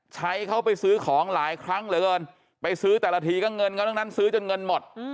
ใช้เขาไปซื้อของหลายครั้งเหลือเกินไปซื้อแต่ละทีก็เงินเขาทั้งนั้นซื้อจนเงินหมด